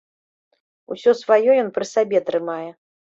Усё сваё ён пры сабе трымае.